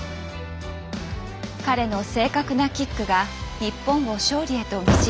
彼の正確なキックが日本を勝利へと導いたのです。